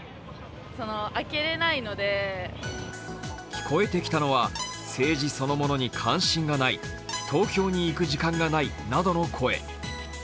聞こえてきたのは政治そのものに関心がない、投票に行く時間がないなどの声。